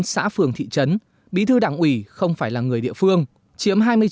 một trăm ba mươi chín xã phường thị trấn bí thư đảng ủy không phải là người địa phương chiếm hai mươi chín